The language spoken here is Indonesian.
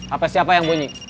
apa siapa yang bunyi